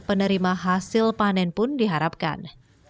penerima hasil panen pun diharapkan